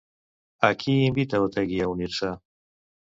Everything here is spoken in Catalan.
A qui invita Otegi a unir-se?